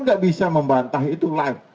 nggak bisa membantah itu live